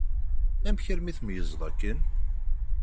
Amek armi tmeyyzeḍ akken?